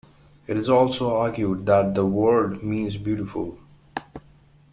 It is also argued that the word means beautiful.